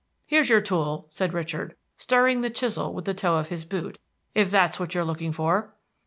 "Here's your tool," said Richard, stirring the chisel with the toe of his boot, "if that's what you're looking for."